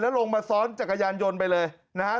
ลงมาซ้อนจักรยานยนต์ไปเลยนะครับ